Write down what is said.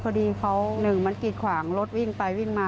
พอดีเขาหนึ่งมันกีดขวางรถวิ่งไปวิ่งมา